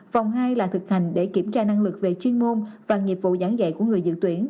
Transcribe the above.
vòng hai là thực hành để kiểm tra năng lực về chuyên môn và nghiệp vụ giảng dạy của người dự tuyển